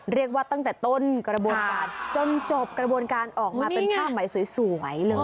ตั้งแต่ต้นกระบวนการจนจบกระบวนการออกมาเป็นผ้าไหมสวยเลย